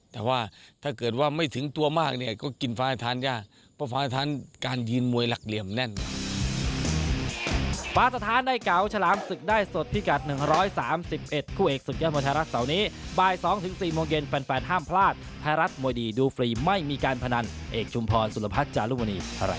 แต่ว่าถ้าเกิดว่าไม่ถึงตัวมากเนี่ยก็กินฟ้าทานยากเพราะฟ้าทานการยืนมวยหลักเหลี่ยมแน่น